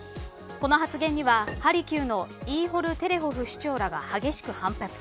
この発言にはハルキウのイーホル・テレホフ市長らが激しく反発。